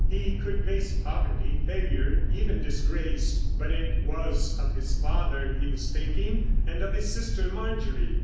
He could face poverty, failure, even disgrace. But it was of his father he was thinking, and of his sister Marjorie.